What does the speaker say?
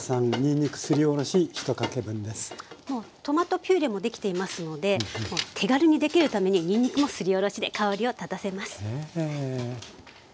もうトマトピュレもできていますので手軽にできるためににんにくもすりおろしで香りを立たせます。